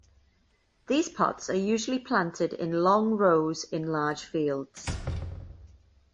These pots are usually planted in long rows in large fields.